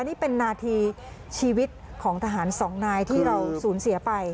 นี่เป็นนาทีชีวิตของทหารสองนายที่เราสูญเสียไป